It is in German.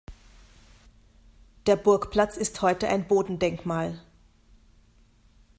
Der Burgplatz ist heute ein Bodendenkmal.